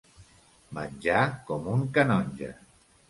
Menjar com un canonge.